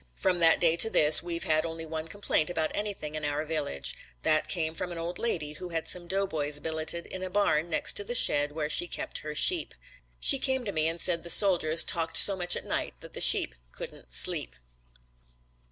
From that day to this we've had only one complaint about anything in our village. That came from an old lady who had some doughboys billeted in a barn next to the shed where she kept her sheep. She came to me and said the soldiers talked so much at night that the sheep couldn't sleep."